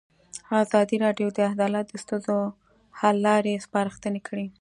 ازادي راډیو د عدالت د ستونزو حل لارې سپارښتنې کړي.